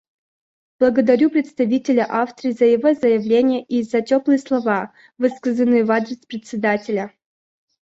Благодарю представителя Австрии за его заявление и за теплые слова, высказанные в адрес Председателя.